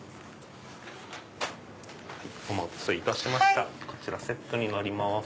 お待たせいたしましたこちらセットになります。